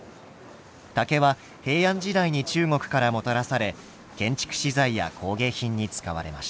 竹は平安時代に中国からもたらされ建築資材や工芸品に使われました。